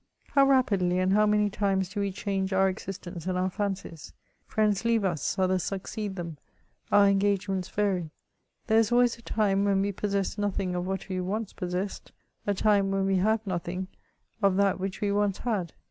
How rapidly and how many times do we change our existence and our fancies ! Friends leave us, others succeed them ; our engagements vary ; there is always a time when we possess nothing of what, we once possessed, a time when we have nothing of that which we once had.